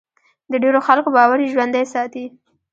د ډېرو خلکو باور یې ژوندی ساتي.